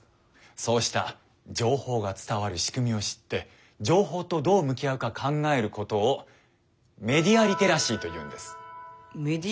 そうした情報が伝わるしくみを知って情報とどう向き合うか考えることをメディア・リテラシー？